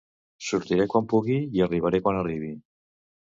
Sortiré quan pugui i arribaré quan arribi.